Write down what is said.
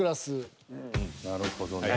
なるほどね。